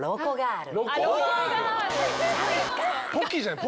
ポキじゃない？